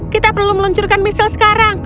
kita perlu meluncurkan misal sekarang